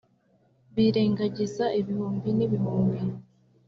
birengagize ibihumbi n'ibihumbi